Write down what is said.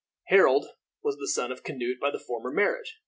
Harold was the son of Canute by a former marriage.